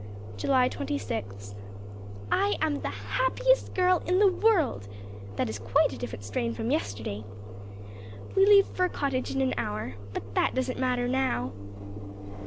July Twenty sixth. I am the happiest girl in the world! That is quite a different strain from yesterday. We leave Fir Cottage in an hour, but that doesn't matter now.